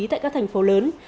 tại các thành phố lớn